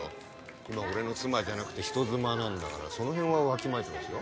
今は俺の妻じゃなくて人妻なんだからその辺はわきまえてますよ